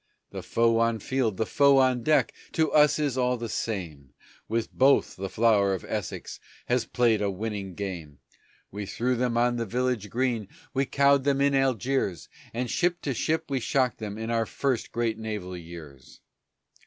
The foe on field, the foe on deck to us is all the same; With both the Flower of Essex has played a winning game; We threw them on the village green, we cowed them in Algiers, And ship to ship we shocked them in our first great naval years.